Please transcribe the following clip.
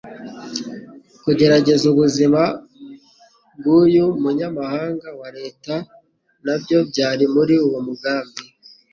Kugerageza ubuzima bwa uyu munyamabanga wa leta nabyo byari muri uwo mugambi